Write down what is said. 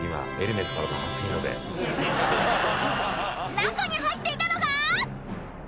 ［中に入っていたのが］